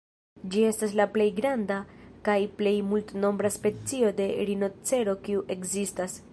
Ĝi estas la plej granda kaj plej multnombra specio de rinocero kiu ekzistas.